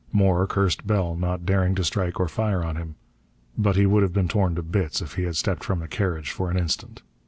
More cursed Bell, not daring to strike or fire on him. But he would have been torn to bits if he had stepped from the carriage for an instant.